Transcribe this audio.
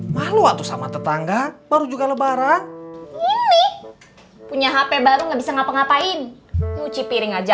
malu atau sama tetangga baru juga lebaran ini punya hp baru nggak bisa ngapa ngapain nyuci piring aja